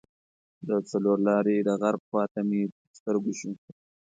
د څلور لارې د غرب خواته مې تر سترګو شو.